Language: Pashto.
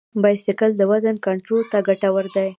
بایسکل د وزن کنټرول ته ګټور دی.